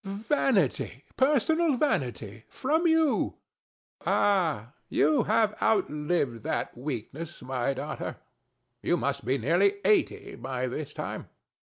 Vanity! personal vanity! from you! THE STATUE. Ah, you outlived that weakness, my daughter: you must be nearly 80 by this time.